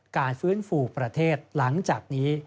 การฟื้นฟูประเทศหลังจากนี้